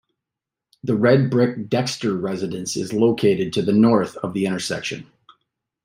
The red-brick Dexter residence is located to the north of the intersection.